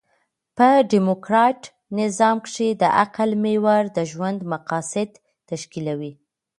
په ډيموکراټ نظام کښي د عقل محور د ژوند مقاصد تشکیلوي.